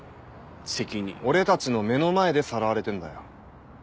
俺たちの目の前でさらわれてんだよ。